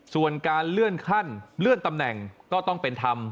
ส่วนการเลื่อนขั้นเลื่อนตำแหน่งก็ต้องเป็นธรรม